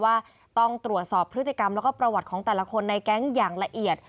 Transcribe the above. ว่าต้องตรวจสอบพฤติกรรมแล้วก็ประวัติของแต่ละคนในแก๊งอย่างละเอียด